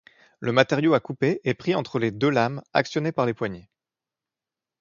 Le matériau à couper est pris entre les deux lames actionnées par les poignées.